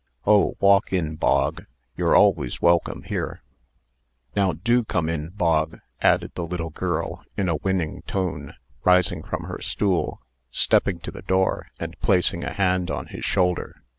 Oh, walk in, Bog; you're always welcome here." "Now do come in, Bog," added the little girl, in a winning tone, rising from her stool, stepping to the door, and placing a hand on his shoulder.